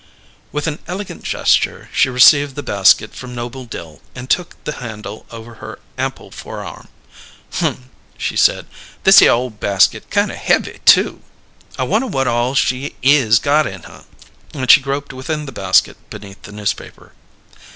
With an elegant gesture she received the basket from Noble Dill and took the handle over her ample forearm. "Hum!" she said. "Thishere ole basket kine o' heavy, too. I wunner whut all she is got in her!" And she groped within the basket, beneath the newspaper.